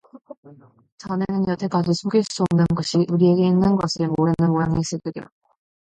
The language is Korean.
자네는 여태까지 속일 수 없는 것이 우리에게 있는 것을 모르는 모양일세그려.